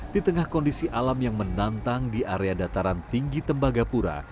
di tengah kondisi alam yang menantang di area dataran tinggi tembagapura